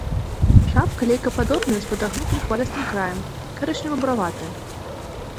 Шапка лейкападобная з падагнутым хвалістым краем, карычнева-бураватая.